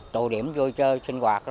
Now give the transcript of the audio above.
tụ điểm vui chơi sinh hoạt